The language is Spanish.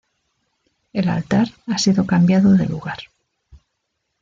El altar ha sido cambiado de lugar.